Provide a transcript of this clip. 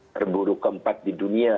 terburuk keempat di dunia